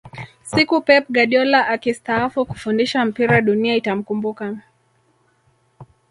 siku pep guardiola akistaafu kufundisha mpira dunia itamkumbuka